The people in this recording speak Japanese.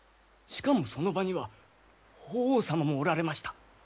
しかもその場には法皇様もおられました。